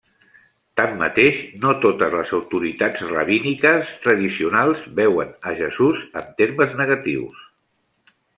Tanmateix, no totes les autoritats rabíniques tradicionals veuen a Jesús en termes negatius.